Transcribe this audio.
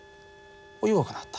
弱くなった。